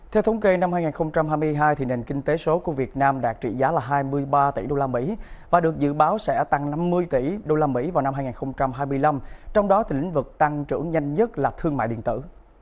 theo thống kê năm hai nghìn hai mươi hai nền kinh tế số của việt nam đạt trị giá là hai mươi ba tỷ usd và được dự báo sẽ tăng năm mươi tỷ usd vào năm hai nghìn hai mươi năm trong đó thì lĩnh vực tăng trưởng nhanh nhất là thương mại điện tử